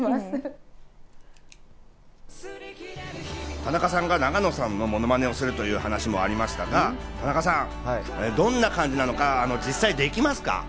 田中さんが永野さんのものまねをするという話もありましたが、田中さん、どんな感じなのか実際できますか？